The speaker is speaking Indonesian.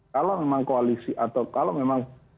kalau memang koalisi atau kalau memang